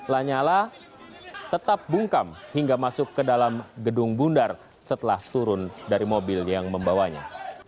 lanyala tetap bungkam hingga masuk ke dalam gedung bundar setelah turun dari mobil yang membawanya